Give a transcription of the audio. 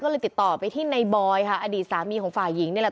ก็เลยติดต่อไปที่ในบอยค่ะอดีตสามีของฝ่ายหญิงนี่แหละ